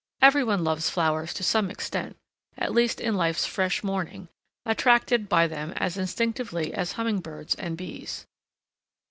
Every one loves flowers to some extent, at least in life's fresh morning, attracted by them as instinctively as humming birds and bees.